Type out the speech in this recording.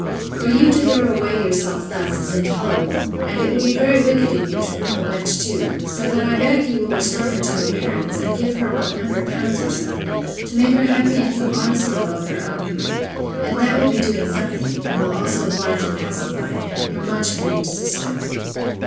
for you to throw away yourself thus, is intolerable; and it would be very wicked in you to ruin the wench too. So that I beg you will restore her to her parents, and give her 100L. or so, to make her happy in some honest fellow of her own degree; and that will be doing something, and will also oblige and pacify 'Your much grieved sister.